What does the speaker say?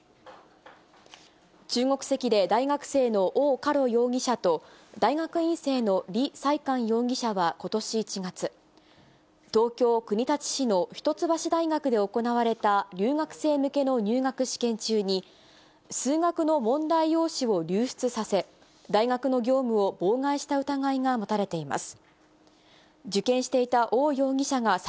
中国籍で大学生のオウ・カロ容疑者と、大学院生のリ・サイカン容疑者はことし１月、東京・国立市の一橋大学で行われた留学生向けの入学試験中に、数学の問題用紙を流出させ、大学の業務を妨害した疑いが持たれています。